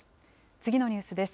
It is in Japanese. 次のニュースです。